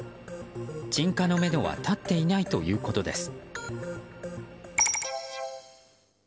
鎮火のめどは立っていないということです。